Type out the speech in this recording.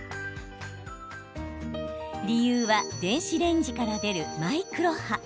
理由は電子レンジから出るマイクロ波。